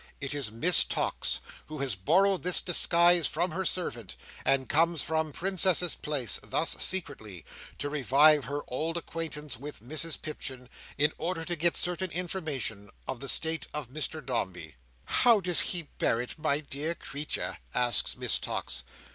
It is Miss Tox, who has borrowed this disguise from her servant, and comes from Princess's Place, thus secretly, to revive her old acquaintance with Mrs Pipchin, in order to get certain information of the state of Mr Dombey. "How does he bear it, my dear creature?" asks Miss Tox.